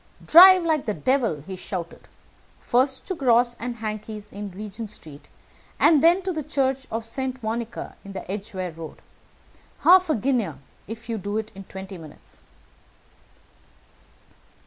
'Drive like the devil!' he shouted, 'first to Gross & Hankey's in Regent Street, and then to the Church of St. Monica in the Edgeware Road. Half a guinea if you do it in twenty minutes!'